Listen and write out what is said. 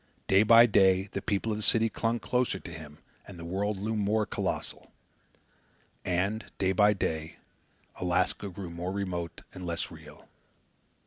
Day by day the people of the city clung closer to him and the world loomed more colossal. And, day by day, Alaska grew more remote and less real.